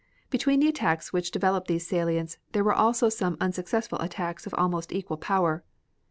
Between the attacks which developed these salients there were also some unsuccessful attacks of almost equal power.